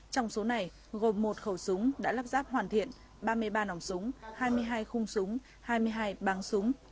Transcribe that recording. trong số này gồm một khẩu súng đã lắp ráp hoàn thiện ba mươi ba nòng súng hai mươi hai khung súng hai mươi hai bắn súng